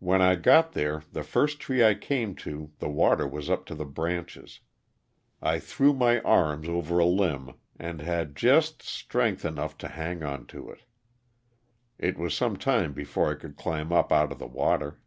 When I got there the first tree I came to the water was up to the branches. I threw my arms over a limb and had just strength 376 LOSS OF THE SULTAITA. enough to hang on to it. It was some time before I could climb up out of the water.